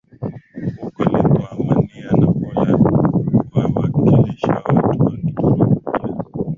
huko Lithuania na Poland Wawakilishi wa watu wa Kituruki pia